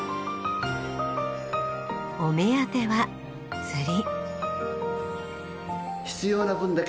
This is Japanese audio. お目当ては釣り。